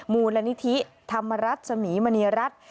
มูลนิธิธรรมรัฐสมีมณีรัฐ